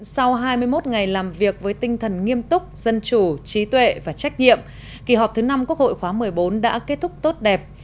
sau hai mươi một ngày làm việc với tinh thần nghiêm túc dân chủ trí tuệ và trách nhiệm kỳ họp thứ năm quốc hội khóa một mươi bốn đã kết thúc tốt đẹp